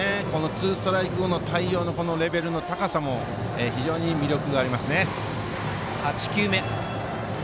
ツーストライク後の対応のレベルの高さも非常に魅力があります。